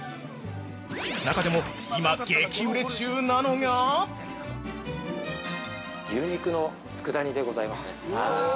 中でも、今激売れ中なのが◆牛肉の佃煮でございますね。